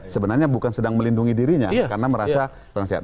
sebenarnya bukan sedang melindungi dirinya karena merasa kurang sehat